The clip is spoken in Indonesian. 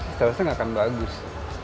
statusnya nggak akan bagus